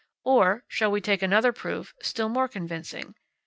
Or, shall we take another proof, still more convincing.